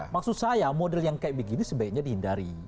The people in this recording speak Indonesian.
maksud saya model yang kayak begini sebaiknya dihindari